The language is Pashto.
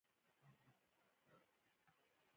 د شپې ډوډۍ باید څنګه وي؟